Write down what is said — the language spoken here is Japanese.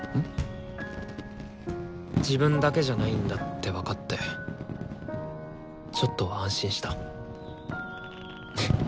「自分だけじゃないんだ」って分かってちょっと安心した。